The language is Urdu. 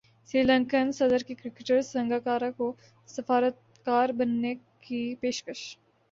سری لنکن صدر کی کرکٹر سنگاکارا کو سفارتکار بننے کی پیشکش